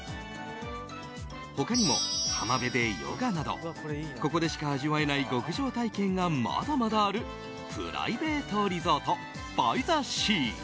他にも、浜辺でヨガなどここでしか味わえない極上体験がまだまだあるプライベートリゾートバイザシー。